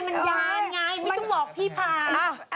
มีช่วงบอกพี่พาน